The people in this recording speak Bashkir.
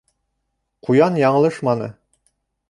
Ҡуян яңылышманы.